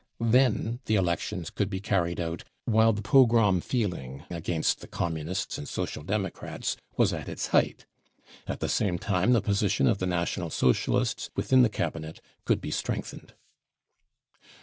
Then the elections could be carried out while the pogrom feeling against the Communists and Social Democrats was at its height. At the same time the position of the National Socialists within the Cabinet could be strengthened.